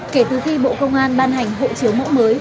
kể từ khi bộ công an ban hành hộ chiếu mẫu mới